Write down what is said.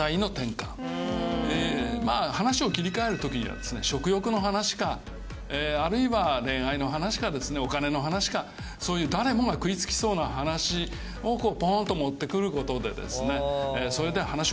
話を切り替えるときには食欲の話かあるいは恋愛の話かお金の話かそういう誰もが食い付きそうな話をぽーんと持ってくることでそれで話を切り替える。